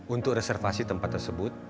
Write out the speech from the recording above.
untuk reservasi tempat tersebut